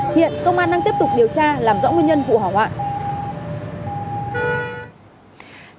hiện công an đang tiếp tục điều tra làm rõ nguyên nhân vụ hỏa hoạn